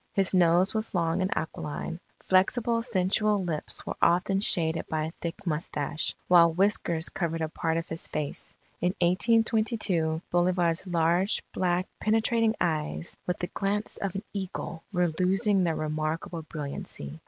His nose was long and aquiline. Flexible, sensual lips were often shaded by a thick mustache; while whiskers covered a part of his face. In 1822, Bolivar's large, black, penetrating eyes, "with the glance of an eagle," were losing their remarkable brilliancy.